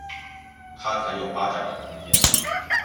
他才有发展的空间